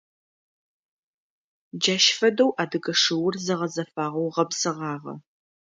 Джащ фэдэу адыгэ шыур зэгъэзэфагъэу гъэпсыгъагъэ.